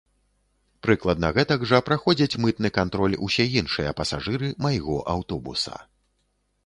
Прыкладна гэтак жа праходзяць мытны кантроль усе іншыя пасажыры майго аўтобуса.